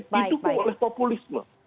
ditukung oleh populisme